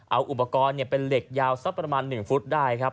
เอาอุปกรณ์เป็นเหล็กยาวสักประมาณ๑ฟุตได้ครับ